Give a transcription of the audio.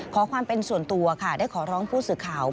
ขอความเป็นส่วนตัวค่ะได้ขอร้องผู้สื่อข่าว